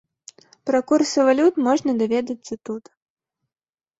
Пра курсы валют можна даведацца тут.